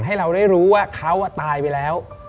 ให้เราได้รู้ว่าเขาตายไปแล้ว